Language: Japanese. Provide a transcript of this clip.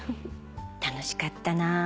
楽しかったなぁ。